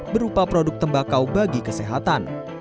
berupa produk tembakau bagi kesehatan